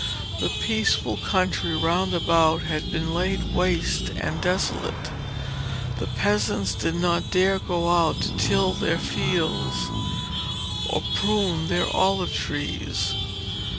The peaceful country round about had been laid waste and desolate. The peasants did not dare go out to till their fields or prune their olive trees.